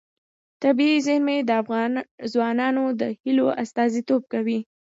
طبیعي زیرمې د افغان ځوانانو د هیلو استازیتوب کوي.